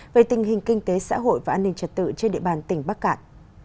về tình hình kinh tế xã hội và an ninh trật tự trên địa bàn tỉnh bắc cạn